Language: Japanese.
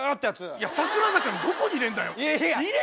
いや「桜坂」のどこに入れんだよ。